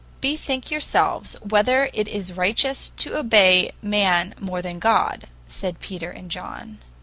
"Bethink yourselves whether it is righteous to obey man more than God," said Peter and John.